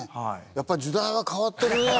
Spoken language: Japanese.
やっぱ時代は変わってるね。